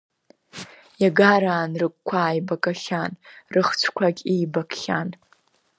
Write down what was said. Иагараан рыгәқәа ааибагахьан, рыхцәқәагь еибакхьан.